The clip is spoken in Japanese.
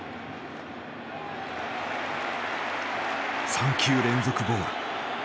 ３球連続ボール。